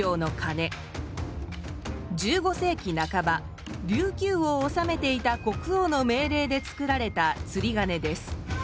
１５世紀半ば琉球を治めていた国王の命令でつくられたつりがねです。